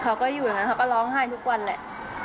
เขาก็อยู่อย่างนั้นเขาก็ร้องไห้ทุกวันแหละ